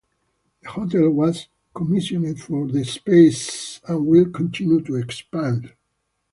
The Hotel was commissioned for The Space, and will continue to expand.